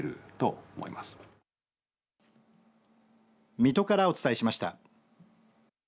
水戸からお伝えしました。